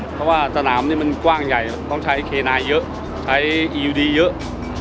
เพราะว่าสนามนี้มันกว้างใหญ่ต้องใช้เคนายเยอะใช้อียูดีเยอะ